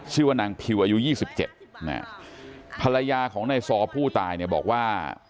ชื่อว่านางพิวอายุ๒๗ภรรยาของในซ้อผู้ตายบอกว่า